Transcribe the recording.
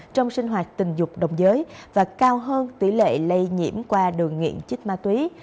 trong sinh hoạt tình dục đồng giới và cao hơn tỷ lệ lây nhiễm qua đường nghiện chích ma túy